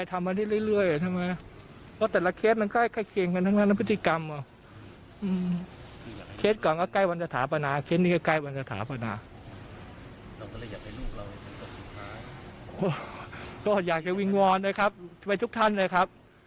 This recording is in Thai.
เคสนี้ก็ใกล้วันสถาปนา